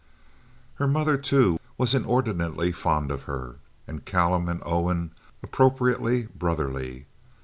Her mother, too, was inordinately fond of her, and Callum and Owen appropriately brotherly.